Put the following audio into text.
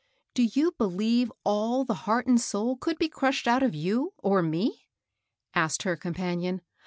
«( Do you believe all the heart and soul could be crushed out of you or me ?" asked her companion.